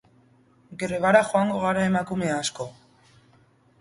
Grebara joango gara emakume asko